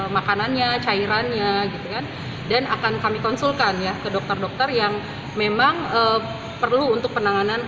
makanannya cairannya gitu kan dan akan kami konsulkan ya ke dokter dokter yang memang perlu untuk penanganan